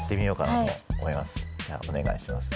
じゃあお願いします。